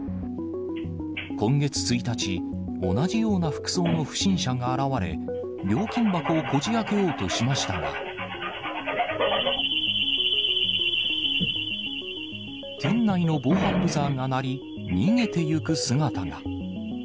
今月１日、同じような服装の不審者が現れ、料金箱をこじあけようとしましたが、店内の防犯ブザーが鳴り、逃げていく姿が。